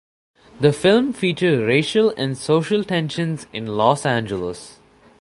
The film features racial and social tensions in Los Angeles.